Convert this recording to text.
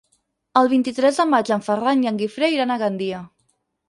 El vint-i-tres de maig en Ferran i en Guifré iran a Gandia.